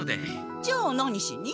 じゃあ何しに？